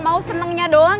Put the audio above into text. mau senengnya doang